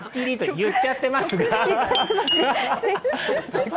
言っちゃってますが。